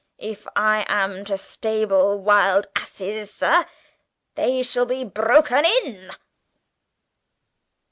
If I am to stable wild asses, sir, they shall be broken in!"